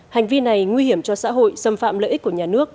hành vi này nguy hiểm cho xã hội xâm phạm lợi ích của nhà nước